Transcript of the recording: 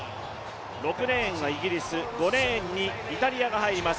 ６レーンはイギリス、５レーンにイタリアが入ります。